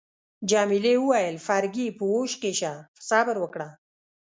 جميلې وويل: فرګي، په هوښ کي شه، صبر وکړه.